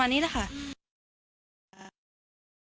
เพิ่มมีคนชัพอัมา